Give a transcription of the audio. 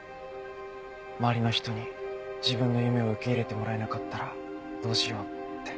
周りの人に自分の夢を受け入れてもらえなかったらどうしようって。